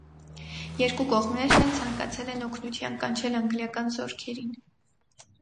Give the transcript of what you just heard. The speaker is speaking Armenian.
Երկու կողմերն էլ ցանկացել են օգնության կանչել անգլիական զորքերին։